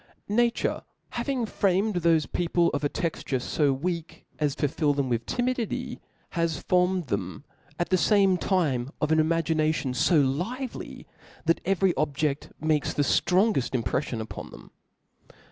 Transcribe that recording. Nature having framed thofe people of a texture fo weak as to fill them with timidity, has formed them at the fame time of an imagination fo lively, that every objeft makes the ftrongeft impreflion upon them.